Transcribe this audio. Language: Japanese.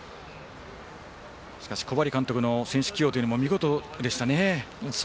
しかし小針監督の選手起用というのも見事でしたね。